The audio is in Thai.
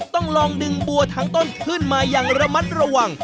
ต้องลองดึงบัวทั้งต้นขึ้นมาอย่างระมัดระวัง